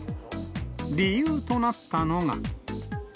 理由となったのが。